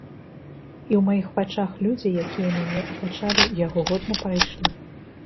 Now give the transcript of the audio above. І ў маіх вачах людзі, якія мяне атачалі, яго годна прайшлі.